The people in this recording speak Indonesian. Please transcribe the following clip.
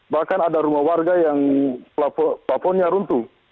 bahkan ada rumah warga yang pelafonnya runtuh